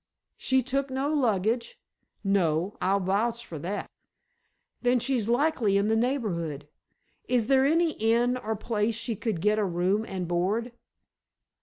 "She took no luggage?" "No, I'll vouch for that." "Then she's likely in the neighborhood. Is there any inn or place she could get a room and board?"